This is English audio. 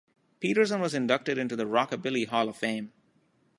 Peterson was inducted into the Rockabilly Hall of Fame.